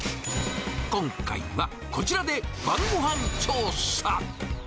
今回は、こちらで晩ごはん調査。